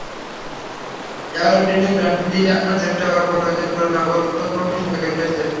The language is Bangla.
অ্যাবারডিনে প্রাণ ফিরিয়ে আনার চেষ্টা করা প্রয়োজন বলে নগর কর্তৃপক্ষ স্বীকার করেছে।